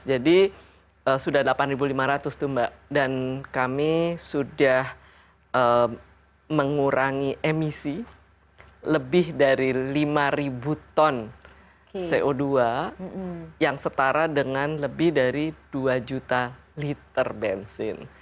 jadi sudah delapan lima ratus tuh mbak dan kami sudah mengurangi emisi lebih dari lima ton co dua yang setara dengan lebih dari dua juta liter bensin